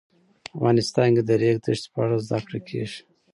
افغانستان کې د د ریګ دښتې په اړه زده کړه کېږي.